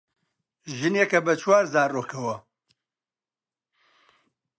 ژنێکە بە چوار زارۆکەوە